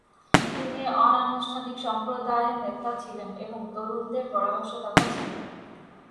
তিনি অনানুষ্ঠানিক সম্প্রদায় নেতা ছিলেন এবং তরুণদের পরামর্শদাতা ছিলেন।